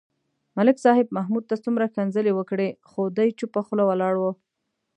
ملک صاحب محمود ته څومره کنځلې وکړې. خو دی چوپه خوله ولاړ و.